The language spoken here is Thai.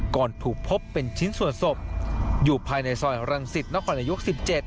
ก่อนถูกพบเป็นชิ้นส่วนศพอยู่ภายในซอยรังสิตนครนายก๑๗